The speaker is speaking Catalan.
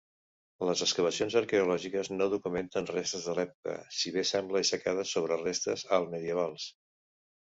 Les excavacions arqueològiques no documenten restes de l'època, si bé sembla aixecada sobre restes altmedievals.